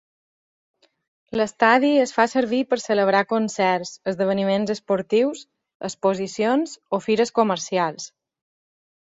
L'estadi es fa servir per celebrar concerts, esdeveniments esportius, exposicions o fires comercials.